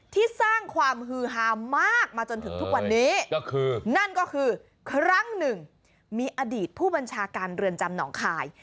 ที่สร้างความฮือฮามากมาจนถึงทุกวันนี้ก็คือนั่นก็คือครั้งหนึ่งมีอดีตผู้บัญชาการเรือนจำหนองคาย